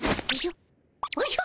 おじゃ？